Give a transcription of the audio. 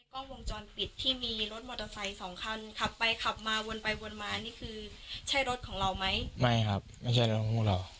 กล้องวงจรปิดที่มีรถมอเตอร์ไซค์สองคันขับไปขับมาวนไปวนมานี่คือใช่รถของเราไหมไม่ครับไม่ใช่รถของเรา